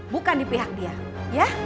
bukan di pihak dia ya